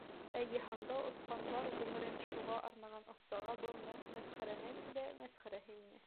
Ә йыһанда осҡан, бар ғүмерен шуға арнаған оҫтаға был мәсхәрәнең дә мәсхәрәһе ине.